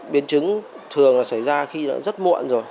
biến chứng thường là xảy ra khi đã rất muộn rồi